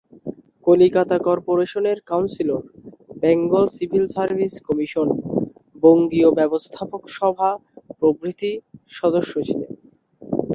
কলিকাতা কর্পোরেশনের councillor, Bengal civil service commission, বঙ্গীয় ব্যবস্থাপক সভা প্রভৃতির সদস্য ছিলেন।